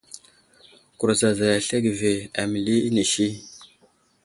Kurzazay aslege ve ,aməli inisi.